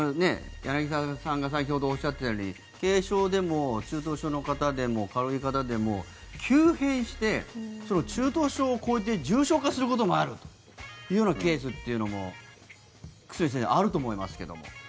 柳澤さんが先ほどおっしゃってたように軽症でも中等症の方でも軽い方でも急変して中等症を超えて重症化することもあるというようなケースというのも久住先生あると思いますけども。